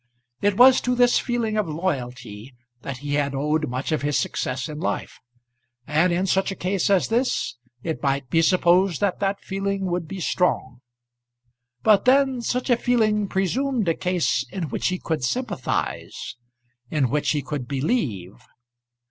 It was to this feeling of loyalty that he had owed much of his success in life. And in such a case as this it may be supposed that that feeling would be strong. But then such a feeling presumed a case in which he could sympathise in which he could believe.